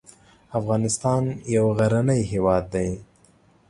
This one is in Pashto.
افغانستان یو غرنی هیواد دی